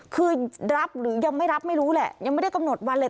คือรับหรือยังไม่รับไม่รู้แหละยังไม่ได้กำหนดวันเลย